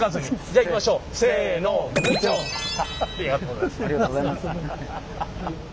ありがとうございます。